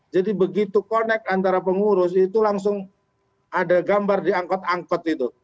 jadi begitu connect antara pengurus itu langsung ada gambar diangkut angkut itu